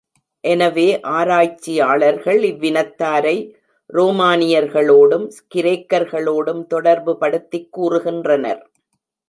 எனவே ஆராய்ச்சியாளர்கள் இவ் வினத்தாரை ரோமானியர்களோடும், கிரேக்கர்களோடும் தொடர்புபடுத்திக் கூறுகின்றனர்.